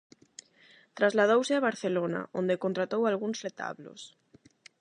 Trasladouse a Barcelona, onde contratou algúns retablos.